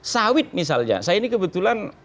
sawit misalnya saya ini kebetulan